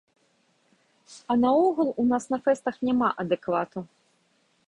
А наогул, у нас на фэстах няма адэквату.